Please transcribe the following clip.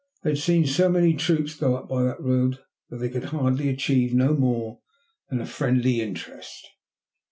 They had seen so many troops go by up that road that they could achieve no more than a friendly interest.